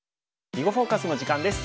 「囲碁フォーカス」の時間です。